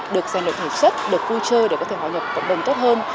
được dành được thể chất được vui chơi để có thể hòa nhập cộng đồng tốt hơn